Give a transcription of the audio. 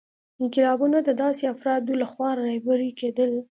انقلابونه د داسې افرادو لخوا رهبري کېدل.